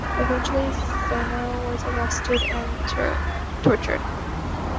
Eventually, Zeno was arrested and tortured.